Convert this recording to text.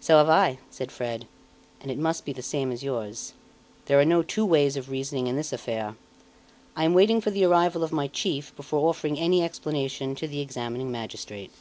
"So have I," said Fred, "and it must be the same as yours. There are no two ways of reasoning in this affair. I am waiting for the arrival of my chief before offering any explanation to the examining magistrate."